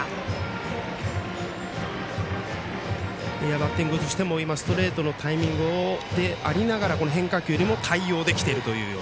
バッティングとしてもストレートのタイミングでありながらこの変化球にも対応できていると。